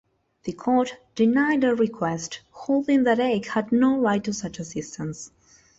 The court denied the request, holding that Ake had no right to such assistance.